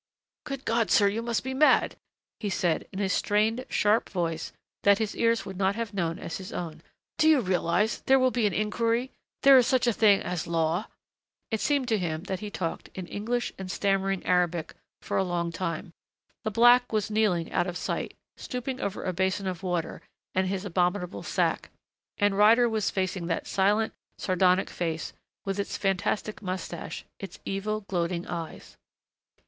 "Good God, sir, you must be mad," he said in a strained sharp voice that his ears would not have known as his own. "Do you realize there will be an inquiry there is such a thing as law " It seemed to him that he talked, in English and stammering Arabic, for a long time. The black was kneeling, out of sight, stooping over a basin of water and his abominable sack, and Ryder was facing that silent, sardonic face, with its fantastic mustache, its evil, gloating eyes....